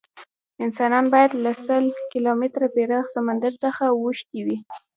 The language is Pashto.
انسانان باید له سل کیلومتره پراخ سمندر څخه اوښتي وی.